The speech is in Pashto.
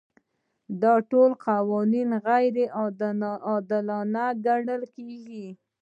دا ټول قوانین غیر عادلانه ګڼل کیږي.